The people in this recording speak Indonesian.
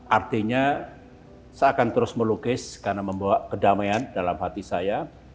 artinya saya akan terus melukis karena membawa kedamaian dalam hati saya